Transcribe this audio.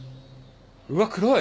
うわっ黒い！